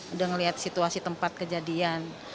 udah ngeliat situasi tempat kejadian